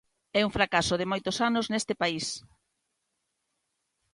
É un fracaso de moitos anos neste país.